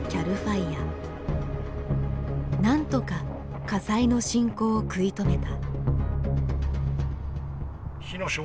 なんとか火災の進行を食い止めた。